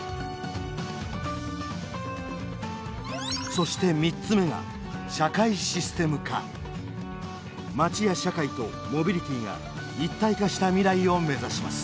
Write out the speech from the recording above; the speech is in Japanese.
そして３つ目が町や社会とモビリティが一体化した未来を目指します。